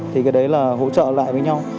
thì cái đấy là hỗ trợ lại với nhau